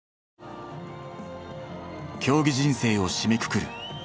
競技人生を締めくくる